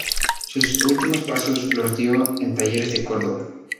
Sus últimos pasos los dio en Talleres de Córdoba.